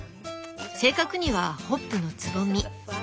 正確にはホップのつぼみ。